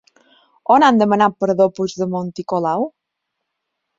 On han demanat perdó Puigdemont i Colau?